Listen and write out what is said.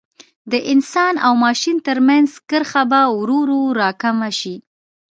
د انسان او ماشین ترمنځ کرښه به ورو ورو را کمه شي.